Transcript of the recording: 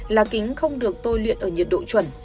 lá kính không được tôi luyện ở nhiệt độ chuẩn